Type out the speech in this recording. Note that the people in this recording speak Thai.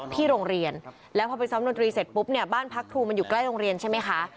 ที่โรงเรียนแล้วพอไปซ้อมดนตรีเสร็จปุ๊บเนี่ยบ้านพักครูมันอยู่ใกล้โรงเรียนใช่ไหมคะ